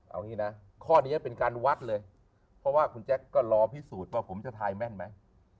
เอางี้นะข้อนี้เป็นการวัดเลยเพราะว่าคุณแจ๊คก็รอพิสูจน์ว่าผมจะทายแม่นไหม